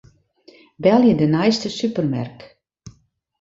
Belje de neiste supermerk.